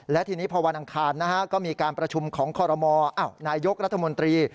และทีนี้พอวันอังคารก็มีการประชุมของคอรมอนายกรัฐมนตรี